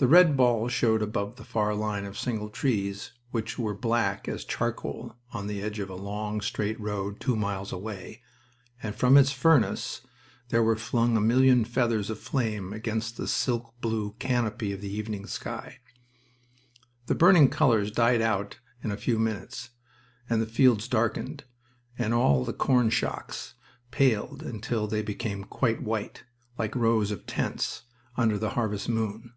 The red ball just showed above the far line of single trees which were black as charcoal on the edge of a long, straight road two miles away, and from its furnace there were flung a million feathers of flame against the silk blue canopy of the evening sky. The burning colors died out in a few minutes, and the fields darkened, and all the corn shocks paled until they became quite white, like rows of tents, under the harvest moon.